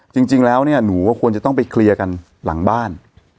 จริงแล้วเนี่ยหนูก็ควรจะต้องไปเคลียร์กันหลังบ้าน